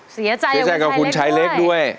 เสียใจกับคุณชายเล็กด้วย